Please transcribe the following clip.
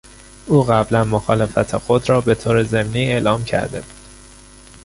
او قبلا مخالفت خود را به طور ضمنی اعلام کرده بود.